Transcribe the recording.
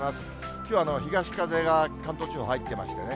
きょうは東風が関東地方、入ってましてね。